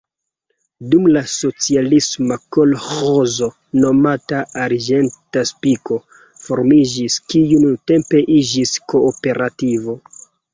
Dum la socialismo kolĥozo nomata "Arĝenta Spiko" formiĝis, kiu nuntempe iĝis kooperativo.